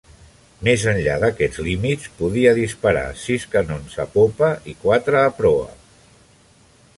Més enllà d'aquests límits, podia disparar sis canons a popa i quatre endavant.